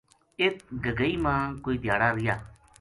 اِت گگئی ما کوئی دھیاڑا رہیا